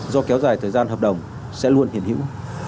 do kéo dài thời gian hợp đồng sẽ luôn hiện hữu